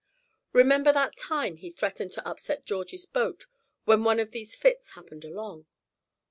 Remember that time he threatened to upset George's boat when one of these fits happened along?